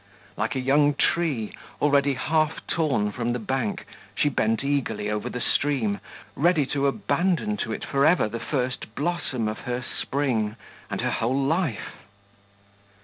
Like a young tree, already half torn from the bank, she bent eagerly over the stream, ready to abandon to it for ever the first blossom of her spring and her whole life.